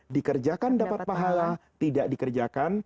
dikerjakan dapat pahala tidak dikerjakan